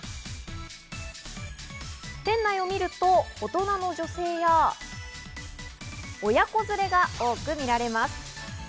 店内を見ると大人の女性や親子連れが多く見られます。